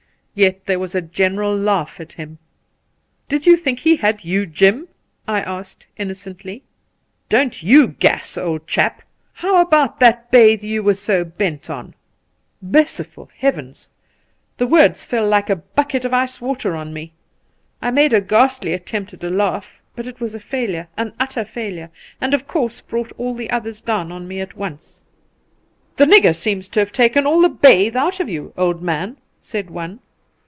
Yet there was a general laugh at him. ' Did you think he had you, Jim V I asked innocently. ' Don't you gas, old chap ! How about that bathe you were so bent on V Merciful heavens 1 The words fell like a bucket of ice water on me. I made a ghastly attempt at a laugh, but it was a failure — an utter failure — and of course brought all the others down on me at Once. ' The nigger seems to have taken all the bathe out of you, old man,' said one.